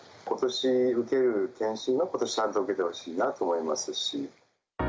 ことし受ける検診は、ことしちゃんと受けてほしいなと思いますし。